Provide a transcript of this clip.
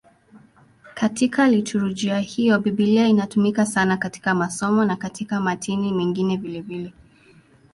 Katika liturujia hiyo Biblia inatumika sana katika masomo na katika matini mengine vilevile.